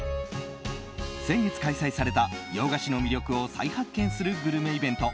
先月開催された洋菓子の魅力を再発見するグルメイベント